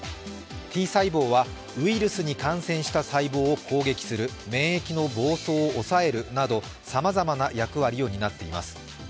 Ｔ細胞はウイルスに感染した細胞を攻撃する、免疫の暴走を抑えるなど、さまざまな役割を担っています。